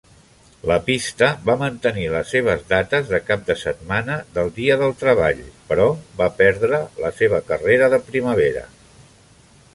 La pista va mantenir les seves dates de cap de setmana del Dia del Treball, però va perdre la seva carrera de primavera.